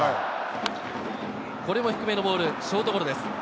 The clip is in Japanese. これも低めのボール、ショートゴロです。